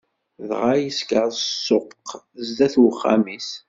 Dɣa yesker ssuq sdat uxxam-is.